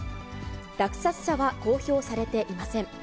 落札者は公表されていません。